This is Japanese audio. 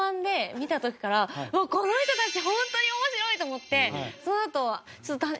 この人たち本当に面白い！と思ってそのあと。